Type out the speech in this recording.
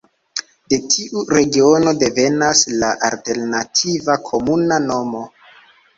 De tiu regiono devenas la alternativa komuna nomo.